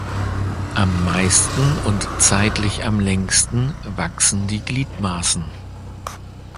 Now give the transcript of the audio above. Am meisten und zeitlich am längsten wachsen die Gliedmaßen.